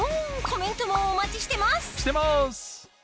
コメントもお待ちしてますしてます！